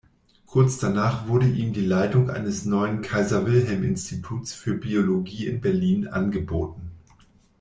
Kurz danach wurde ihm die Leitung eines neuen Kaiser-Wilhelm-Instituts für Biologie in Berlin angeboten.